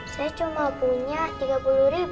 saya cuma punya rp tiga puluh